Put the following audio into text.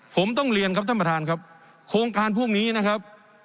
ผมต้องเรียนครับท่านประธานครับโครงการพวกนี้นะครับ